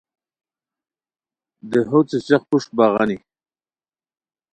دیہو څیڅیق پروشٹ بغانی